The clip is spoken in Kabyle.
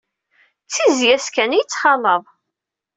D tizzya-s kan i yettxalaḍ.